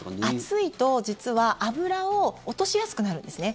熱いと実は脂を落としやすくなるんですね。